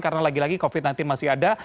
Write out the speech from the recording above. karena lagi lagi covid sembilan belas masih ada